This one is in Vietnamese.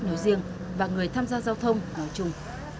trường và người tham gia giao thông nói chung